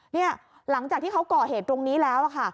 เนี่ยหลังจากที่เขาก่อเหตุตรงนี้แล้วค่ะ